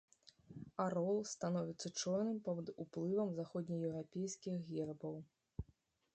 Арол становіцца чорным пад уплывам заходнееўрапейскіх гербаў.